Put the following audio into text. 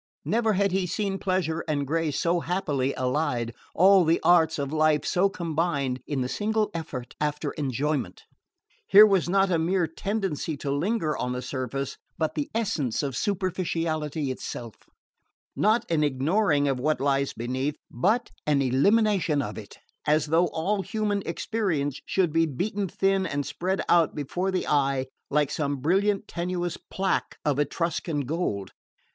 Never had he seen pleasure and grace so happily allied, all the arts of life so combined in the single effort after enjoyment. Here was not a mere tendency to linger on the surface, but the essence of superficiality itself; not an ignoring of what lies beneath, but an elimination of it; as though all human experience should be beaten thin and spread out before the eye like some brilliant tenuous plaque of Etruscan gold.